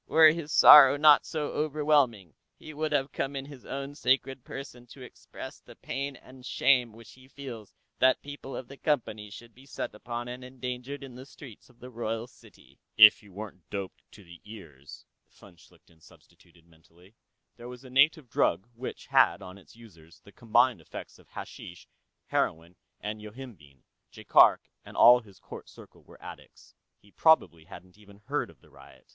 "Were his sorrow not so overwhelming, he would have come in His Own Sacred Person to express the pain and shame which he feels that people of the Company should be set upon and endangered in the streets of the royal city." If he weren't doped to the ears, von Schlichten substituted mentally. There was a native drug which had, on its users, the combined effects of hashish, heroin and yohimbine; Jaikark and all his court circle were addicts. He probably hadn't even heard of the riot.